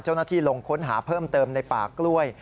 เจ้าหน้าที่ลงค้นหาเพิ่มเติมในป่ากล้วย